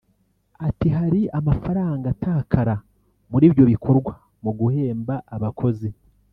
Ati “Hari amafaranga atakara muri ibyo bikorwa mu guhemba abakozi